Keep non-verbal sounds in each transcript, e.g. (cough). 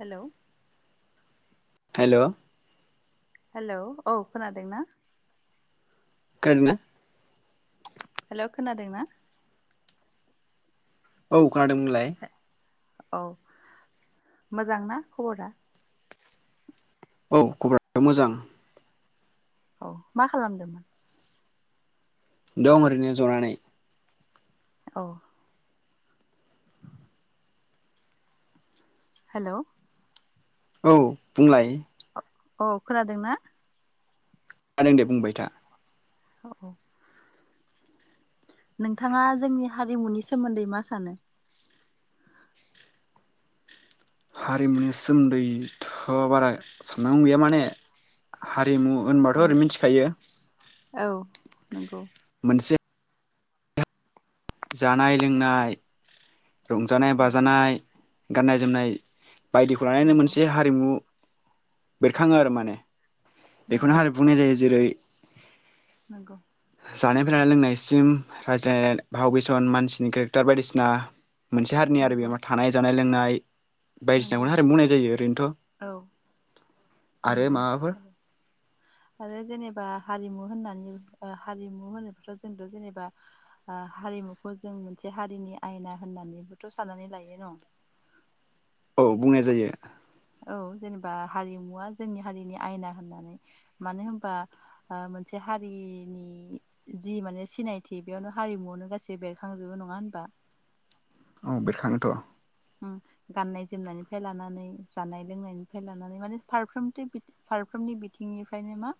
Hello hello hello औ खोनादों ना? खोनादोना? हेलौ खोनादों ना? औ खोनादों। होनलाय? औ मोजां ना खबरा? औ खबराबो मोजां। औ मा खालामदोंमोन? दं ओरैनो ज'नानै। औ हेलौ औ बुंलाय? औ खोनादों ना? खोनादों दे बुंबाय था। अ औ नोंथाङा जोंनि हारिमुनि सोमोन्दै मा सानो? हारिमुनि सोमोन्दैथ' बारा साननांगौ गैया। माने हारिमु होनबाथ' औ ओरै मिथिखायो। औ नंगौ मोनसे जानाय लोंनाय, रंजानाय नंगौ बाजानाय, गाननाय जोमनाय, बायदिखौ लानानै नंगौ मोनसे हारिमु बेरखाङो आरो माने। बेखौनो नंगौ हारि बुंनाय जायो। जेरै नंगौ जानायनिफ्राय लानाय लोंनायसिम रायज्लायनाय भाव फेसन मानसिनि केरेक्टार बायदिसिना मोनसे हारिनि नंगौ बे थानाय जानाय लोंनाय नंगौ बायदिसिनाखौनो हारिमु बुंनाय जायो ओरैनोथ'। औ आरो नंगौ माबाफोर? आरो जेनेबा हारिमु होननानै हारिमु होनायफ्राव जेनेबा हारिमुखौ जों मोनसे हारिनि आयना होनननैथ' सानना लायो न'? औ बुंनाय जायो। औ जेनेबा हारिमुवा जोंनि हारिनि आयना होनननै मानो होनबा मोनसे हारिनि जि मानि सिनायथि बेयावनो हारिमुवानो बेरखां जोबो नङा होनबा? औ बेरखांनोथ'। गाननाय जोमनायनिफ्राय लानानै जानाय लोंनायनिफ्राय लानानै माने फारफ्रोमथि फारफ्रोमनि बिथिंनिफ्रायनो मा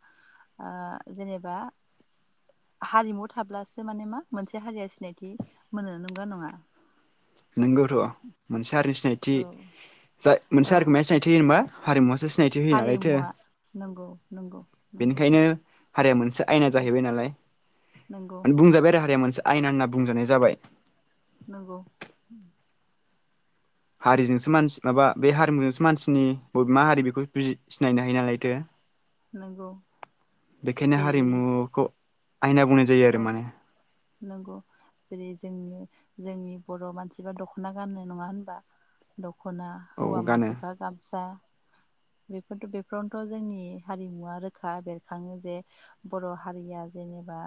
ओ जेनेबा हारिमु थाब्लासो माने मा मोनसे हारिया सिनायथि मोनो। नंगौ ना नङा? नोंगौथ' मोनसे हारिनि सिनायथि औ जाय मोनसे औ हारिखौ माया सिनायथि होयो होनबा हारिमुवासो सि नायथि होयो नालायथो हारिमुवा नंगौ नंगौ नंगौ बेनिखायनो हारिया मोनसे आयना जाहैबाय नालाय नंगौ बुंजाबाय आरो हारिया मोनसे आयना होनना बुंजानाय जाबाय। नंगौ हारिजोंसो मानसि माबा बे हारिमुजोंसो मानसिनि ब मा हारि बेखौ सिनायनो हायो नालायथो। नंगौ बेखायनो जेरैबायदि हारिमुखौ आयना बुंनाय जायो औ आरो माने नंगौ जेरै जोंनि जोंनि बर' मानसिबा दख'ना गाननो नङा होनबा द ख'ना औ हौवा गानो मानसिफ्रा गामसा बेफोथ' बेफोरावनोथ' जोंनि हारिमुवा रोखा बेरखाङो जे बर' हारिया जेनेबा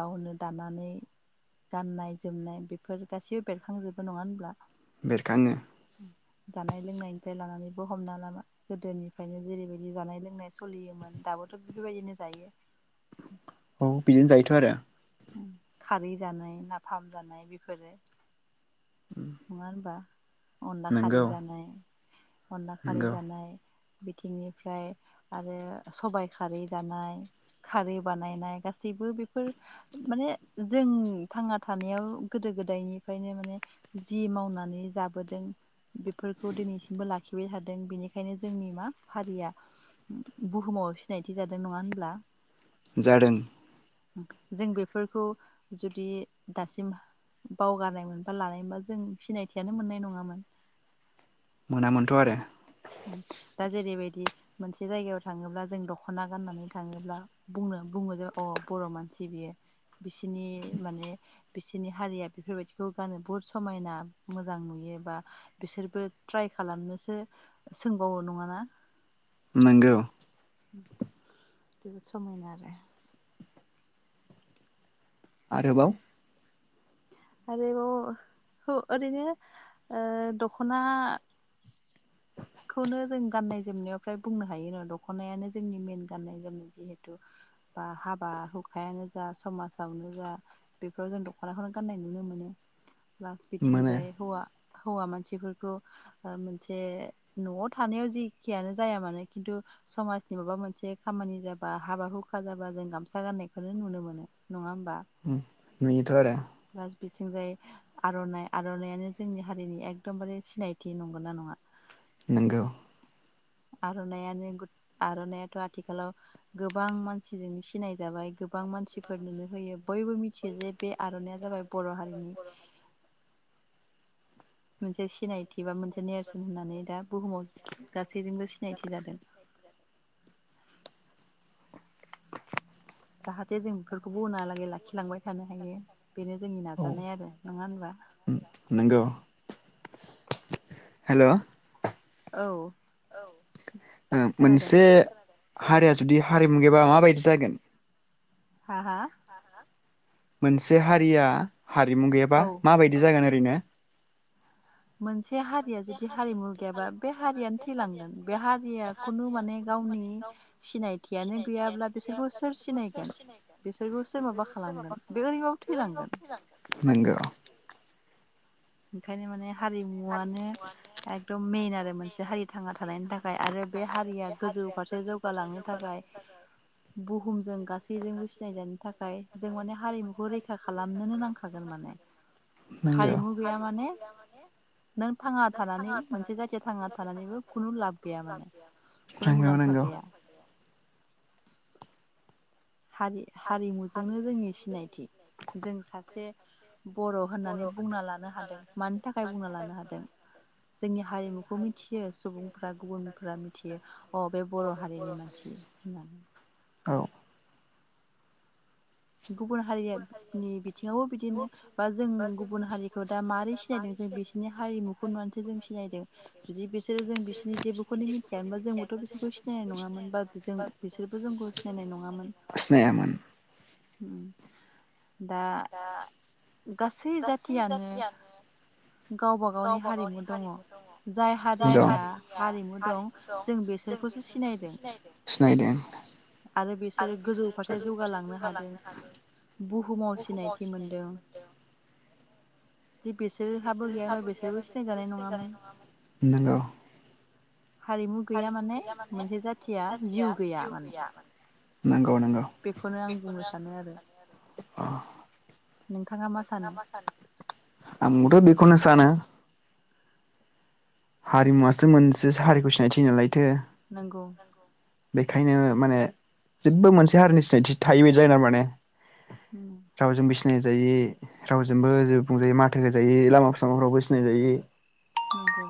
गावनो दानानै गाननाय जोमनाय बेफोर गासिबो बेरखांजोबो। नङा होनब्ला? बेरखाङो जानाय लोंनायनिफ्राय लानानै बो हमना ला लाना गोदोनिफ्रायनो जेरैबायदि जानाय लोंनाय सोलियोमोन दाबोथ' बेफोरबायदिनो जायो। औ बिदिनो जायोथ' आरो उम खारै जानाय नाफाम जानाय बेफोरो नङा होनबा? अनला नोंगौ खारै जानाय। अनला खारै नोंगौ जानाय बिथिंनिफ्राय आरो सबाइ खारै जानाय खारै बानायनाय गासैबो बेफोर माने जों थांना थानायाव गोदो गोदायनिफ्रायनो माने जि मावनानै जाबोदों बेफोरखौ दिनैसिमबो ला खिबाय थादों बेनिखायनो जोंनि मा हारिया बुहुमाव सिनायथि जादों। नङा होनब्ला? जादों जों बेफोरखौ जुदि दासिम बावगारनायमोनबा लानाय मोनबा जों सिनायथियानो मोननाय नङामोन। नामोनथ' आरो दा जेरैबायदि मोनसे जायगायाव थाङोब्ला जों दख'ना गाननानै थाङोब्ला बुंनो बुङो जों अ बर' मानसि बियो बिसनि माने बिसनि हारिया बेफोरबायदिखौ गानो बुहुत समायना मोजां नुयो बा बिसोरबो ट्राइ खालामनोसो सोंबावो नङाना? नोंगौ जोबोद समायना आरो आरोबाव आरोबाव हु ओरैनो ओ दख'ना खौनो जों गाननाय जोमनायाव फ्राय बुंनो हायोना दख'नायानो जोंनि मेइेन गाननाय जोमनाय जिहेथु ओ बा हाबा हुखायानो जा समाजावनो जा बेफोराव जों दख'नाखौनो गाननाय नुनो मोनो। लास मोनो बिथिंजाय हौवा हौवा मानसिफोरखौ ओ मोनसे न'आव थानायाव जेखियानो जाया मानो खिन्थु समाजनि माबा मोनसे खामानि जाबा हाबा हुखा जाबा जों गामसा गाननायखौनो नुनो मोनो नङा हो उम नुयो थ' आरो प्लास बिथिंजाय आर'नाइ आर'नायानो जोंनि हारिनि एकदमबारे सिनायथि नंगौना नङा? नोंगौ। आर'नायानो आर'नायाथ' आथिखालाव गोबां मानसिजोंनो सिनाय जाबाय गोबां मानसिफोरनोनो होयो बयबो मिथियो जे बे आर'नाइया जाबाय बर' हारिनि मोनसे सिनायथि बा मोनसे नेरसोन होननानै दा बुहुमाव सैजोबो सिनायथि जादों। जाहाथे जों बेफोरखौबो उनहालागै लाखिलांबाय थानो हायो। बेनो जोंनि औ नाजानाय आरो नङा होनबा? नंगौ हेल' औ। ओ खोनादों मोनसे हारिया जुदि हारिमु गैबा माबायदि जागोन? हा हा? मोनसे हारिया हारिमु गैयाबा औ माबायदि जागोन ओरैनो? मोनसे हारिया जुदि हारिमु गैयाबा बे हारियानो थैलांगोन बे हारिया खुनु माने गावनि सिनायथियानो गैयाब्ला बिसोरखौ सोर सिनायगोन बिसोरखौ सोर माबा खालामगोन बे ओरैबाबो थैलांगोन। नंगौ बेखायनो माने हारिमुवानो एकदम मेन आरो मोनसे हारि थांना थानायनि थाखाय आरो बे हारिया गोजौ फारसे जौगालांनो थाखाय बुहुमजों गासैजोंबो सिनायजानो थाखाय जों माने हारिमुखौ रैखा खालामनोनो नांखागोन माने हारिमु गैया हारिमु माने गैया नों थांना माने थानानै मोनसे जाथिया थांना थानानैबो खुनु लाब गैया माने खुनु नोंगौ मुलाम्फा नोंगौ। गैया हारि हारिमुजोंनो जोंनि सिनायथि जों जे बर' होननानै बुंना लानो हादों मानि थाखाय बुंना लानो हादों जोंनि हारिमुखौ मिथियो सुबुंफ्रा गुबुनफ्रा मिथियो अ बे बर' हारिनि मानसि होननानै। औ गुबुन हारियानि बिथिङावबो बिदिनो बा जों गुबुन हारिखौ दा मारै सिनायदों जों बिसोरनि हारिमुखौ नुनानैसो जों सिनायदों जुदि बिसोरो जों बिसोरनि जेबोखौनो मिथियामोनबा जोंबोथ' बिसोरखौ सिनायनाय नङामोन बा जों बिसोरबो जोंखौ सिनायनाय नङामोन। सिनायनाय नङामोन दा गासै गासै जाथियानो गावबा गावनि हारिमु दङ जाय हारिया हारिमु दं जों बेसोरखौसो सिनायदों सिनायदों। (inaudible) आरो बिसोरो गोजौ फारसे जौगालांनो हादों बुहुमाव सिनायथि मोनदों। जे बिसोरहाबो बिसोर हाबो बिसोरबो गैयाबा बिसोरहा सिनायजानाय बो नङामोन सिनायजानाय नङामोन। हारिमु गैया माने मोनसे जाथिया जिउ गैया माने। नोंग बेखौनो आं बुंनो सानो आरो नों नोंथाङा मा सानो? आंबोथ बेखौनो सानो। हारिमुवासो मोनसेस हारिखौ सिनायथि नालायथो। नोंगौ। बेखायनो माने जेबबो मोनसे हारिनि सिनायथि थाहिबायदि जायिनाङा माने। उम रावजों बिसि सिनायजायि रावजोंबो जेबो बुंजायि माथो होजायि लामा सामाफ्रावबो सिनायजायि नोंगौ।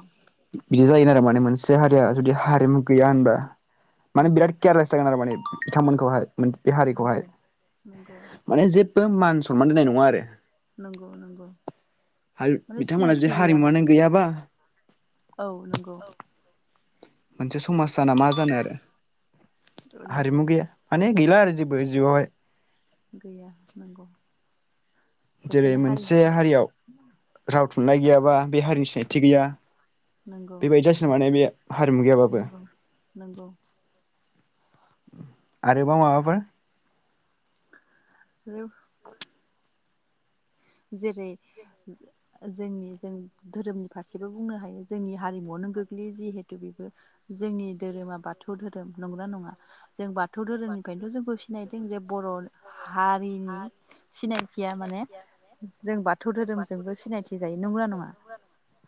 बिदि जायोन आरो माने मोनसे हारिया जुदि हारिमु गैया होनबा। माने नंगौ बिराद कियारलेस जागोन आरो माने बिथांमोनखौहाय मोन बे हारिखौहाय नंगौ नंगौ माने जेबो मान सनमान दोननाय नङा आरो। नंगौ नंगौ आरो माने बिथांमोना जुदि सिनायथि गैया मानो हारिमुवानो बेसा। गैयाबा औ नंगौ। मोनसे समाज जाना मा जानो आरो औ नंगौ हारिमु गैया माने गैला आरो जेब बो जिउवावहाय। गैया नोंगौ। जेरै मोनसे हारियाव राव थुनलाइ गैयाबा बे हारिनि सिनाय थि गैया नंगौ बेबायदि जासिगोन माने बे हारिमु गैयाबाबो। नंगौ नंगौ आरोबाव माबाफोर? आरो जेरै जोंनि जों धोरोमनि फारसेबो बुंनो हायो जोंनि हारिमुआवनो गोग्लैयो जिहेथु बेबो जोंनि धोरोमा बाथौ धोरोम नंना नङा? जों बाथौ थौ धोरोमनिफ्रायनो जोंखौ सिनाय थिं जे बर' हारिनि सिनायथिया माने जों बाथौ धोरोमजोंबो सिनायथि जायो नंगौना नङा?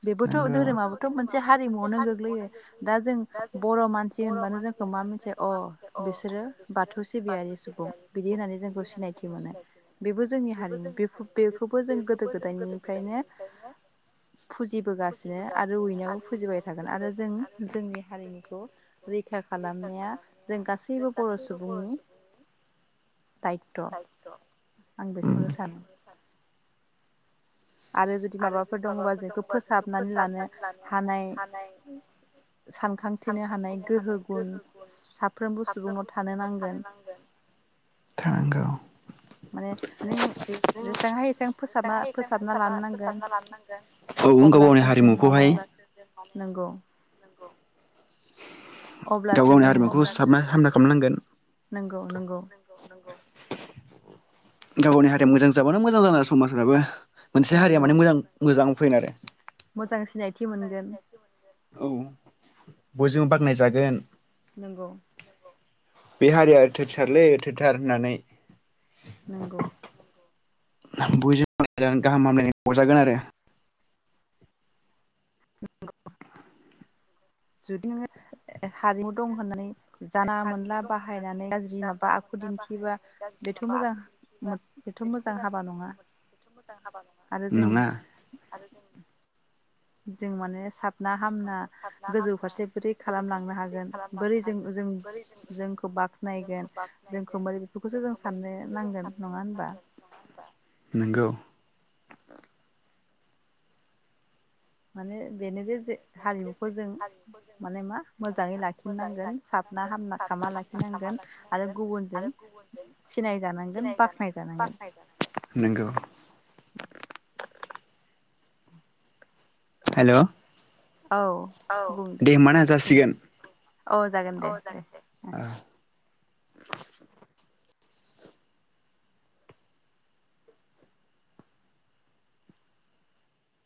बेबोथ' नोंगौ धोरोमाबोथ' मोनसे हारिमुआवनो गोग्लैयो दा जों बर' मानसि होनबानो जोंखौ मा मोनसे अ बिसोरो बाथौ सिबियारि सुबुं बिदि होननानै जोंखौ सिनाय थि मोनो बेबो जोंनि हारिमु। बेफोर बेखौबो जों गोदो गोदायनिफ्रायनो फुजिबोगासिनो आरो उइनावबो फुजिबाय थागोन आरो जों जोंनि हारिमुखौ रैखा खालामनाया जों गासैबो बर' सुबुंनि दायथ'। आं बेखौनो सानो। आरो जुदि माबाफोर दङबा जोंखो फोसाबनानै लानो हानाय सानखांथिनो हानाय गोहो गुन साफ्रोमबो सुबुंनाव थानो नांगोन। थानांगौ औ माने नों जेसांहायो एसां फोसाबना फोसाबना लानो नांगोन। फोसाबना लानो नांगोन औ गाव गावनि अब्लासो जों माने हारिमुखौहाय औ नंगौ गाव अब्लासो गावनि जोङो हारिमुखौ मा सिथाबना हामना खालामनांगोन नंगौ नंगौ गाव गावनि हारिया मोजां जाबानो मोजां जागोन आरो समाजफ्राबो मोनसे हारिया नंगौ माने मोजां मोजां फैन आरो मोजां सिनायथि मोनगोन औ बयजोंबो बाखनाय जागोन। नंगौ। बे हारिया थेथारलै थोथार होननानै नोंंगौ बयजोंबो बुजि गाहाम हामलायनाय हरजागोन आरो जुदि नो हारिमु दं होननानै जानला हारिमु मोनला दं होननानै बाहायनानै गाज्रि जानला माबा आखु मोनला दिन्थियोबा बाहायनानै गाज्रि बेथ' माबा मोजां आखु दिन्थिबा बेथ' मोजां बेथ' मोजां हाबा नङा आरो जों नङा आरो जों जों माने साबना हामना सारना गोजौ हामना फारसे बोरै गोजौ फारसे खालामलांनो बोरै हागोन बोरै खालामलांनो जों हागोन जों बोरै ज जों जोंखौ बाख्नायगोन जोंखौ जोंखौ बाखनायगोन बोरै बेफोरखौसो जों जोंखौ बोरै साननो बेफोरखौसो जों नांगोन नङा साननो होनबा नांगोन नङा होनबा नंगौ माने बेनो दे जे हारिमुखौ जों माने मा मोजाङै लाखिनांगोन साबना हामना खामा लाखिनांगोन आरो गुबुनजों सिनायजानांगोन बाख्नायजानांगोन नंगौ हेलौ औ बुं दे बुं जासिगोन औ जागोन दे दे ओ